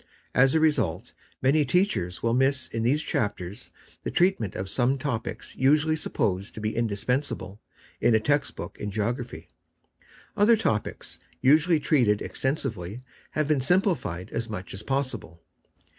.\s a result, many teachers will miss in these chapters the treatment of some topics usually supposed to be indispensable in a text book in Geography. Other topics, usually treated extensively, have been simplified as much as possible.